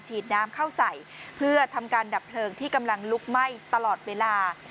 ฉีดน้ำเข้าใส่เพื่อทำการดับเพลิงที่กำลังลุกไหม้ตลอดเวลา